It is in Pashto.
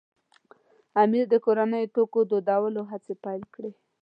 امیر د کورنیو توکو دودولو هڅې پیل کړې.